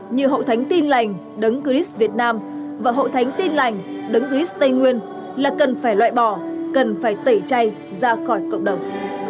như hội thánh tin lành đấng cris việt nam và hội thánh tin lành đấng cris tây nguyên là cần phải loại bỏ cần phải tẩy chay ra khỏi cộng đồng